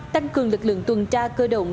tăng cường lực lượng tuần tra cơ động